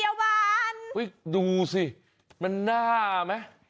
โอ้ยดูสิมันน่าไหม